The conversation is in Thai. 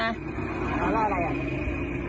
แล้วอะไรอ่ะ